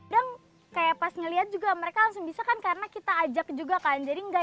dan kayak pas ngelihat juga mereka langsung bisa kan karena kita ajak juga kan jadi enggak